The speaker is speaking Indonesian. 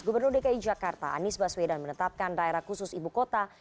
gubernur dki jakarta anies baswedan menetapkan daerah khusus ibu kota